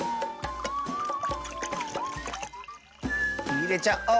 いれちゃおう！